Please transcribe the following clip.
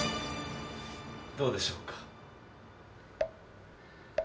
どうでしょうか？